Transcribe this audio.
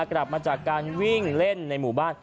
กลับมาจากการวิ่งเล่นในหมู่บ้าน